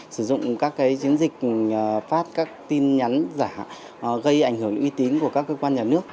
sử dụng các chiến dịch phát các tin nhắn giả gây ảnh hưởng đến uy tín của các cơ quan nhà nước